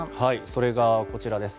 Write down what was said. それが、こちらです。